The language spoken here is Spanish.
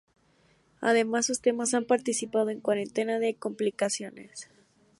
Además, sus temas han participado en una cuarentena de compilaciones.